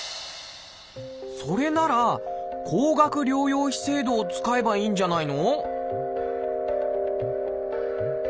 それなら高額療養費制度を使えばいいんじゃないの？